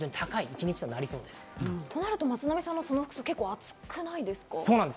となると松並さん、その服装は暑くないですか？